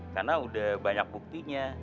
karena udah banyak buktinya